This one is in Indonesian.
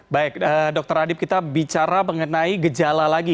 baik dokter adib kita bicara mengenai gejala lagi